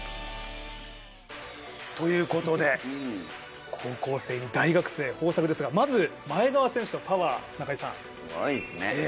ということで高校生に大学生、豊作ですがまず前川選手のパワー、中居さん。